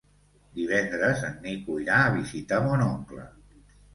Divendres en Nico irà a visitar mon oncle.